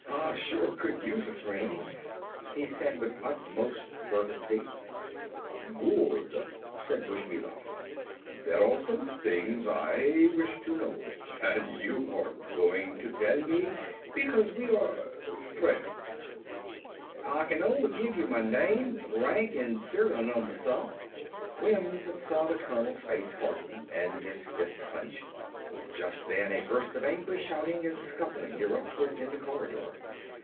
"Ah sure could use a friend," he said with utmost fervency. "Good!" said Bushmilov. "There are some things I wish to know and you are going to tell to me because we are friends." "Ah kin only give you mah name, rank an' serial number, suh." Wims saw the colonel's face harden and his fist clench. Just then a burst of angry shouting and scuffling erupted in the corridor.